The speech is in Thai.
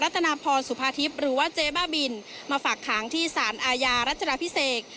ตนาพรสุภาทิพย์หรือว่าเจ๊บ้าบินมาฝากขังที่สารอาญารัชดาพิเศษ